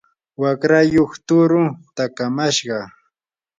waqrayuq tuurun takamashqa.